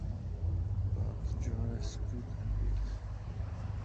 But Johannes could, and did.